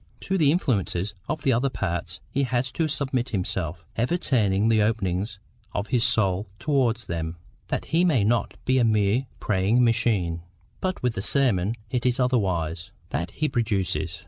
To the influences of the other parts he has to submit himself, ever turning the openings of his soul towards them, that he may not be a mere praying machine; but with the sermon it is otherwise. That he produces.